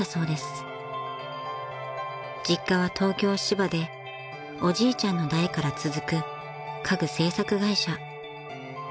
［実家は東京芝でおじいちゃんの代から続く家具製作会社］